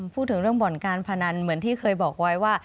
พูดถึงเรื่องบ่อนการพนันเหมือนที่เคยบอกไว้ว่า